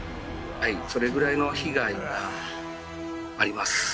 それぐらいの被害があります。